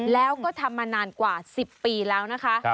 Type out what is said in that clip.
แล้วก็ทำมานานกว่า๑๐ปีแล้วนะคะ